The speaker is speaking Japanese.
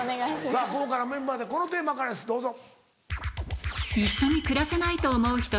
さぁ豪華なメンバーでこのテーマからですどうぞ。